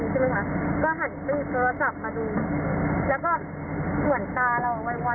มีสิบล้อตามก็คือตกไปผ่าหมักแล้วก็เข้าเครือพีเลยแล้วก็จอด